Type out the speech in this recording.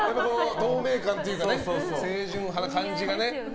透明感というか清純派な感じがね。